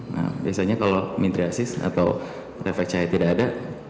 nah biasanya kalau midriasis atau refleks cahaya tidak ada